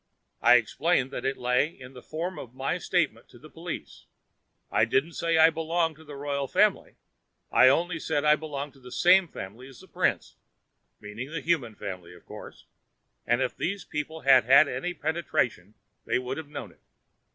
I explained that it lay in the form of my statement to the police. 'I didn't say I belonged to the Royal Family; I only said I belonged to the same family as the Prince—meaning the human family, of course; and if those people had had any penetration they would have known it.